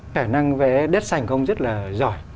khả năng vẽ đất sành của ông rất là giỏi